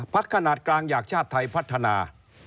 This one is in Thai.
ขนาดกลางอยากชาติไทยพัฒนา